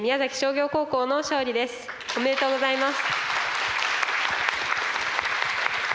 おめでとうございます。